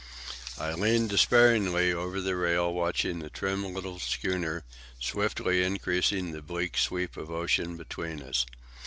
I leaned despairingly over the rail, watching the trim little schooner swiftly increasing the bleak sweep of ocean between us.